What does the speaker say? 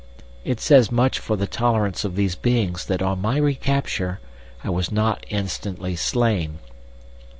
It says much for the tolerance of these beings that on my recapture I was not instantly slain.